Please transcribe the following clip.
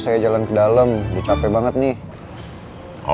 saya jalan ke dalam dicape banget nih